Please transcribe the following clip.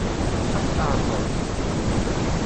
Ad ɣ-t-tɛeṛḍeḍ?